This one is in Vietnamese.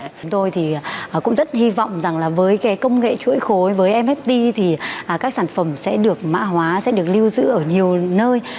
chúng tôi thì cũng rất hy vọng rằng là với cái công nghệ chuỗi khối với mft thì các sản phẩm sẽ được mã hóa sẽ được lưu giữ ở nhiều nơi